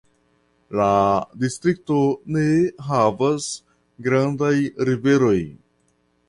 La distrikto ne havas grandaj riveroj.